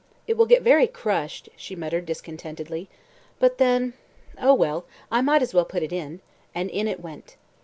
"It will get very crushed," she muttered discontentedly. "But then Oh, well, I might as well put it in," and in it went.